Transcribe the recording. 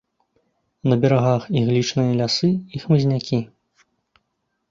На берагах іглічныя лясы і хмызнякі.